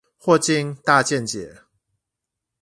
霍金大見解